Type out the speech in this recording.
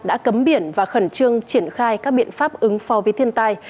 đã cấm biển và khẩn trương triển khai các biện pháp ứng phó với thiên tai